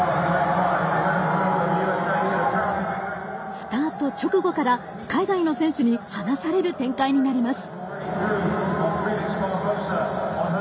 スタート直後から海外の選手に離される展開になります。